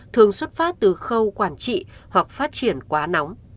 thường xuất phát từ khâu quản trị hoặc phát triển quá nóng